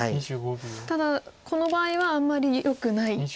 ただこの場合はあんまりよくないんですね。